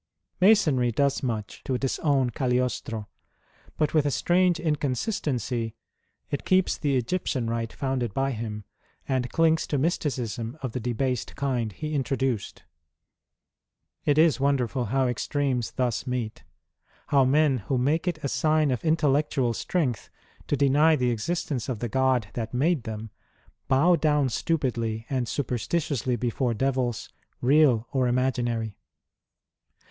Masonry does much to disown Cagliostro ; but with a strange incon sistency it keeps the Egyptian rite founded by him, and clings to mysticism of the debased kind he introduced. It is wonderful how extremes thus meet, — how men who make it a sign of intellectual strength to deny the existence of the God that made them bow down stupidly and superstitiously before devils, real or imaginary.